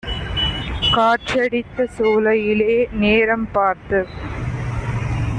காற்றடித்த சோலையிலே நேரம் பார்த்துக்